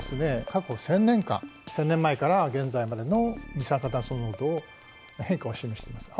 過去１，０００年間１，０００年前から現在までの二酸化炭素濃度の変化を示しています。